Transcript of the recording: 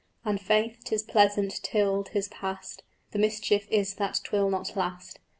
And faith, 'tis pleasant till 'tis past: The mischief is that 'twill not last.